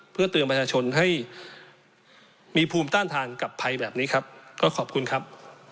เพื่อเตือนประชาชนให้มีภูมิต้านทานกับภัยแบบนี้ครับก็ขอบคุณครับ